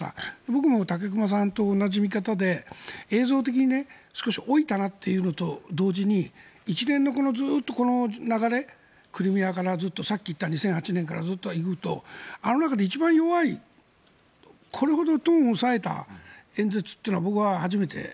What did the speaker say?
僕も武隈さんと同じ見方で映像的に少し老いたなというのと同時に一連の流れ、クリミアからずっとさっき言った２００８年からずっと言うとあの中で一番弱いこれほどトーンを抑えた演説というのは僕は初めて。